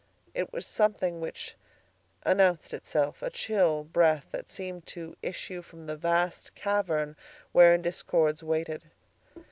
It was something which announced itself; a chill breath that seemed to issue from some vast cavern wherein discords waited.